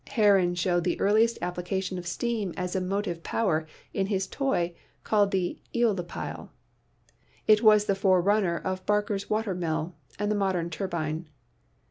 Heron showed the earliest application of steam as a motive power in his toy, called the "eolipile." It was the forerunner of Bar ker's water mill and the modern turbine.